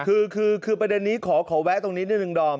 คือประเด็นนี้ขอแวะตรงนี้เดี๋ยวหนึ่งด้อม